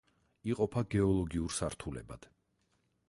იყოფა გეოლოგიურ სართულებად.